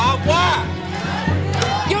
ให้เวลาตัดสินใจ